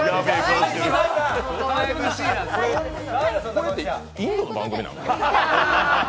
これ、インドの番組なん？